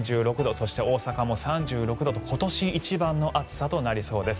そして大阪も３６度と今年一番の暑さとなりそうです。